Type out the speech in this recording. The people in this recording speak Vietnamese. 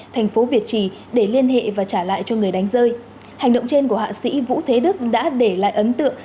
thành phố việt trì để liên hệ và trả lại cho người đánh rơi hành động trên của hạ sĩ vũ thế đức đã để lại ấn tượng